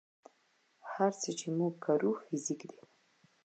هر څه چې موږ ګورو فزیک دی.